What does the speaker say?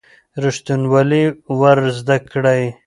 ریښتینولي ور زده کړئ.